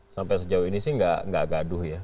sampai sejauh ini sih nggak gaduh ya